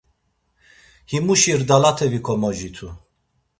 Himuşi rdalate vikomocitu.